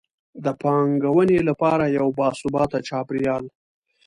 د پانګونې لپاره یو باثباته چاپیریال.